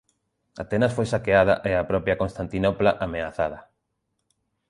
Atenas foi saqueada e a propia Constantinopla ameazada.